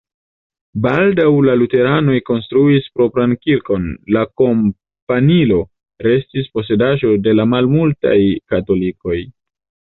Baldaŭ la luteranoj konstruis propran kirkon, la kampanilo restis posedaĵo de la malmultaj katolikoj.